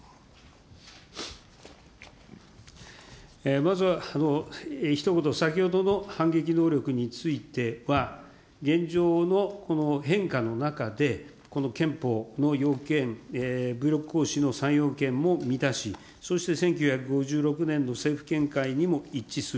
まずはひと言、先ほどの反撃能力については、現状のこの変化の中で、憲法の要件、武力行使の３要件も満たし、そして１９５６年の政府見解にも一致する、